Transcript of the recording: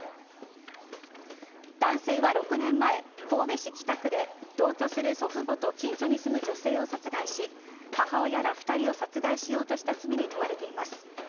男性は６年前、神戸市北区で同居する祖父母と近所に住む女性を殺害し母親ら２人を殺害しようとした罪に問われています。